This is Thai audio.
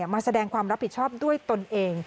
มาแสดงความรับผิดชอบด้วยตนเอง